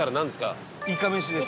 伊達：いかめしです。